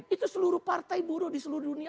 itu seluruh partai buruh di seluruh dunia